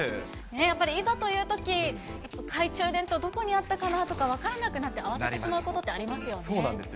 やっぱりいざというとき、懐中電灯どこにあったかなとか、分からなくなって慌ててしまうこそうなんです。